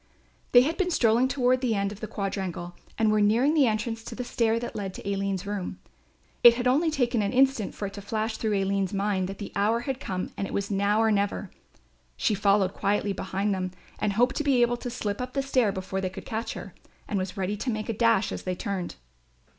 They had been strolling toward the further end of the quadrangle and were nearing the entrance to the stair that led to Aline's room. It had only taken an instant for it to flash through Aline's mind that the hour had come and it was now or never. She followed quietly behind them and hoped to be able to slip up the stair before they could catch her, and was ready to make a dash as they turned.